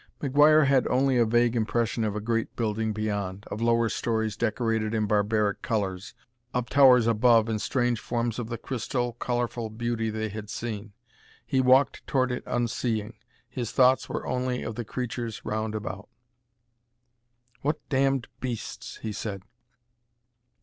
McGuire had only a vague impression of a great building beyond, of lower stories decorated in barbaric colors, of towers above in strange forms of the crystal, colorful beauty they had seen. He walked toward it unseeing; his thoughts were only of the creatures round about. "What damned beasts!" he said.